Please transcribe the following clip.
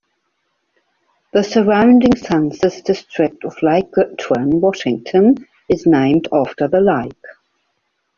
The surrounding census district of Lake Goodwin, Washington is named after the lake.